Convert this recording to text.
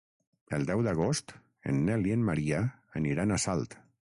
El deu d'agost en Nel i en Maria aniran a Salt.